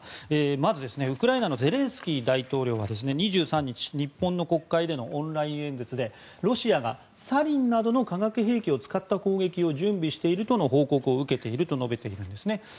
まずウクライナのゼレンスキー大統領は２３日、日本の国会でのオンライン演説でロシアがサリンなどの化学兵器を使った攻撃を準備しているとの報告を受けていると述べているんですね。